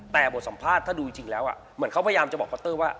แต่บทสัมภาษณ์ถ้าดูจริงแล้วเหมือนเขาพยายามจะบอกเคานเตอร์ว่า